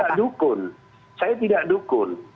tidak dukun saya tidak dukun